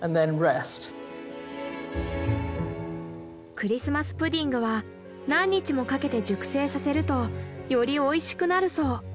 クリスマス・プディングは何日もかけて熟成させるとよりおいしくなるそう。